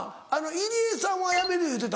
入江さんは辞める言うてた。